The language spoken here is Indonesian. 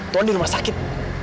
tuhan di rumah sakit